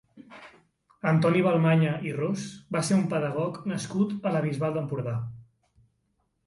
Antoni Balmanya i Ros va ser un pedagog nascut a la Bisbal d'Empordà.